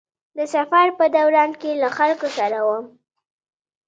د سفر په دوران کې له خلکو سره وم.